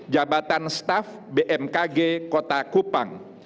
jabatan staff bmkg kota kupang